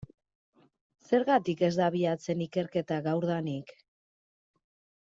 Zergatik ez da abiatzen ikerketa gaurdanik?